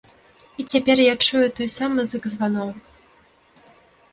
І цяпер я чую той самы зык званоў.